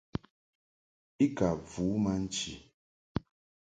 I ka vu ma nchi.